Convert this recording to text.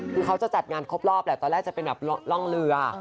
คือเขาจะจัดงานครบรอบแหละตอนแรกจะเป็นแบบร่องเรือ